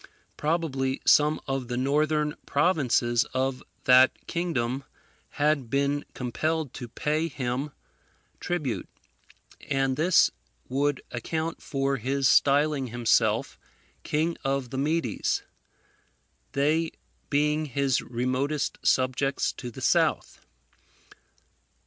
Probably some of the northern provinces of that kingdom had been compelled to pay him tribute; and this would account for his styling himself King of the Medes, they being his remotest subjects to the south.